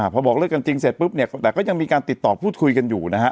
พอบอกเลิกกันจริงเสร็จปุ๊บเนี่ยแต่ก็ยังมีการติดต่อพูดคุยกันอยู่นะฮะ